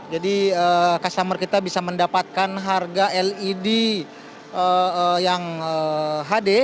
jadi customer kita bisa mendapatkan harga led yang hd